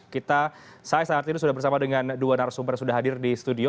kita saya sahi artinus sudah bersama dengan dua narasumber sudah hadir di studio